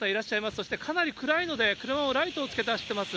そして、かなり暗いので、車もライトをつけて走っています。